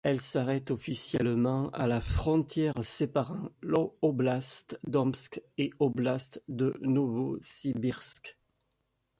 Elle s'arrête officiellement à la frontière séparant l'oblast d'Omsk et l'oblast de Novossibirsk.